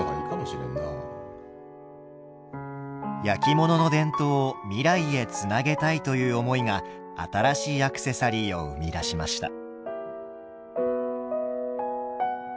焼き物の伝統を未来へつなげたいという思いが新しいアクセサリーを生み出しました。